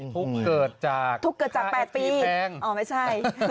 ทุกข์เกิดจากค่าแอคทีแพงทุกข์เกิดจาก๘ปี